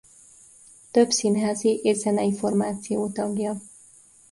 Több színházi és zenei formáció tagja.